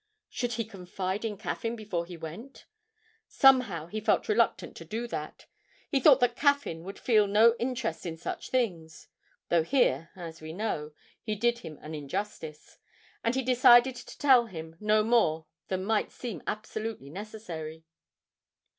Should he confide in Caffyn before he went? Somehow he felt reluctant to do that; he thought that Caffyn would feel no interest in such things (though here, as we know, he did him an injustice), and he decided to tell him no more than might seem absolutely necessary.